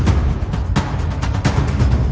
ได้ทุกคน